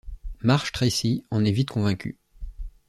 Marsh Tracy en est vite convaincu.